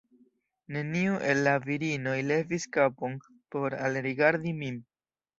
Neniu el la virinoj levis kapon por alrigardi min.